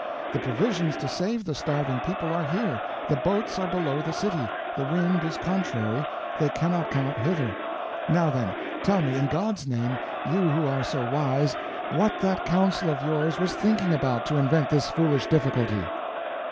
The provisions to save the starving people are here, the boats are below the city, the wind is contrary, they cannot come up hither. Now then, tell me, in God's name, you who are so wise, what that council of yours was thinking about, to invent this foolish difficulty."